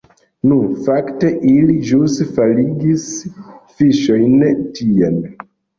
Nu, fakte ili ĵus faligis fiŝojn tien